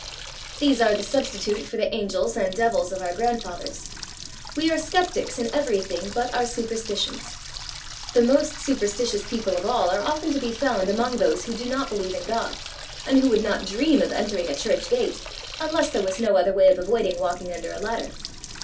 These are the substitute for the angels and devils of our grandfathers. We are sceptics in everything but our superstitions. The most superstitious people of all are often to be found among those who do not believe in God, and who would not dream of entering a church gate unless there was no other way of avoiding walking under a ladder.